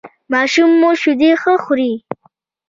ماشوم مو شیدې ښه خوري؟